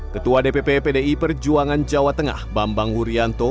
ketua dpp pdi perjuangan jawa tengah bambang wuryanto